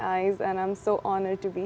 saya sangat senang berada di sini